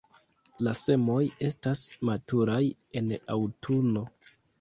La semoj estas maturaj en aŭtuno.